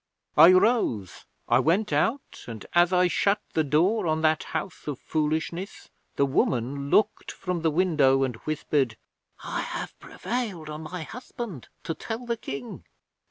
'I rose. I went out, and as I shut the door on that House of Foolishness, the woman looked from the window and whispered, "I have prevailed on my husband to tell the King!"